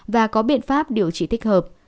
và có biện pháp điều trị thích hợp